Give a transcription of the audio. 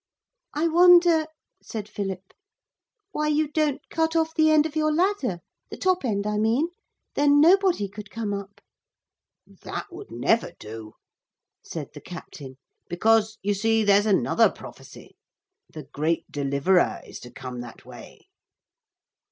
'I wonder,' said Philip, 'why you don't cut off the end of your ladder the top end I mean; then nobody could come up.' 'That would never do,' said the captain, 'because, you see, there's another prophecy. The great deliverer is to come that way.'